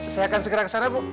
saya akan segera ke sana bu